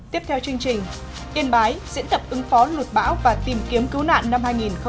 tiếp theo chương trình yên bái diễn tập ứng phó luật bão và tìm kiếm cứu nạn năm hai nghìn một mươi tám